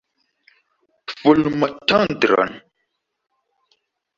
Fulmotondron!